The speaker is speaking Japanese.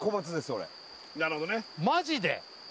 俺なるほどねマジで？